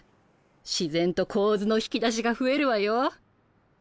自然と構図の引き出しが増えるわよ。